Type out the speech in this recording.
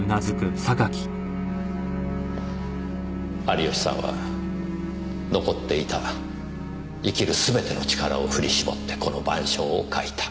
有吉さんは残っていた生きるすべての力を振り絞ってこの『晩鐘』を描いた。